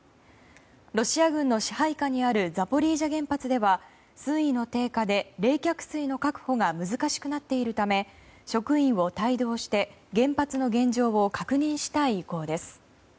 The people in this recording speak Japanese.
ロシア軍の支配下にあるザポリージャ原発では水位の低下で冷却水の確保が難しくなっているため職員を帯同して原発の現状を確認したい意向です。